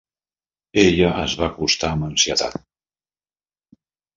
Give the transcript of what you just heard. Ella es va acostar amb ansietat